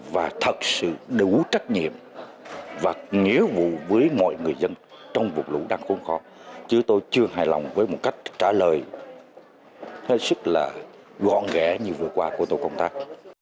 vấn đề là những người dân trong vụ lũ đang khốn khó chứ tôi chưa hài lòng với một cách trả lời thay sức là gọn ghẽ như vừa qua của tổ công tác